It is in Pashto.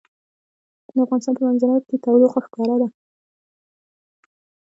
د افغانستان په منظره کې تودوخه ښکاره ده.